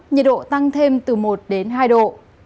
nhiệt độ tăng thêm từ một đến hai độ